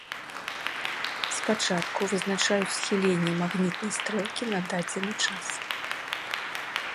Спачатку вызначаюць схіленне магнітнай стрэлкі на дадзены час.